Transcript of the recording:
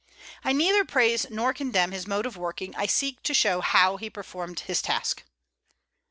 I neither praise nor condemn his mode of working; I seek to show how he performed his task.